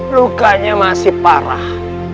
lukanya masih parah